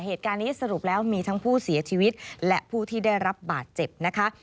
เหตุการณ์นี้สรุปแล้วมีทั้งผู้เสียชีวิตและผู้ที่ได้รับบาดเจ็บนะคะ